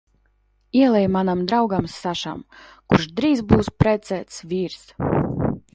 Ielej manam draugam Sašam, kurš drīz būs precēts vīrs!